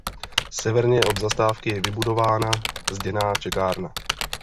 Severně od zastávky je vybudována zděná čekárna.